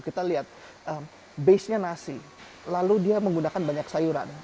kita lihat basenya nasi lalu dia menggunakan banyak sayuran